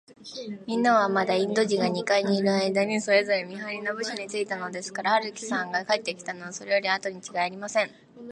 みんなは、まだインド人が二階にいるあいだに、それぞれ見はりの部署についたのですから、春木さんが帰ってきたのは、それよりあとにちがいありません。